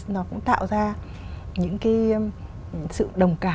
nó cũng tạo ra những cái sự đồng cảm